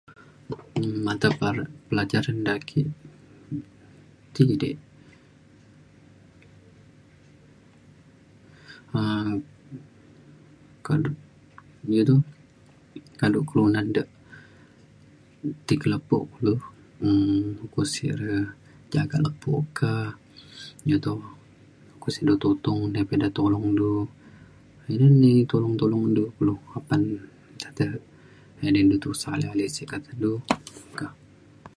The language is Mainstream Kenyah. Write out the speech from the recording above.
um matapel- matapelajaran da aki ti de um kado iu tu kado kelunan de ti ke lepo kulu um ukok sek re jagak lepo ka ja toh usik de tutong dai pa da tolong du ina ni tolong tolong du apan ja te edi de tusah ale ale sik kata du meka